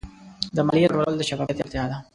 د مالیې راټولول د شفافیت اړتیا لري.